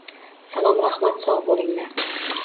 Salom Rahmat sog‘ bo‘linglar!